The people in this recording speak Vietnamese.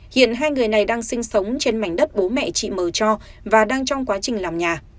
hiện hai người này đang sinh sống trên mảnh đất bố mẹ chị mờ cho và đang trong quá trình làm nhà